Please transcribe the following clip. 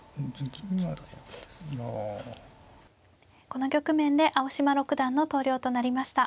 この局面で青嶋六段の投了となりました。